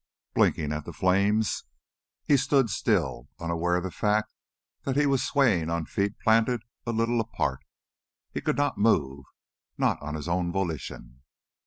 Blinking at the flames, he stood still, unaware of the fact that he was swaying on feet planted a little apart. He could not move, not of his own volition.